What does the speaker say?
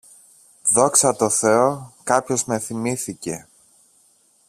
Δόξα τω θεώ, κάποιος με θυμήθηκε